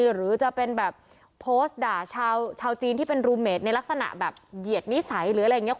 หรือจะเป็นแบบโพสต์ด่าชาวจีนที่เป็นรูเมดในลักษณะแบบเหยียดนิสัยหรืออะไรอย่างนี้